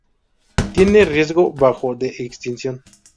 Tiene riesgo bajo de extinción.